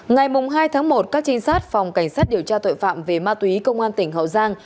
ngày hai tháng một các trinh sát phòng cảnh sát điều tra tội phạm về ma túy công an tp hcm